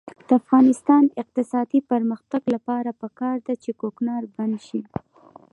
د افغانستان د اقتصادي پرمختګ لپاره پکار ده چې کوکنار بند شي.